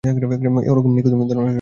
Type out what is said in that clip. ওরকম নিখুঁত ধরনের কাউকে পাওয়া কঠিন।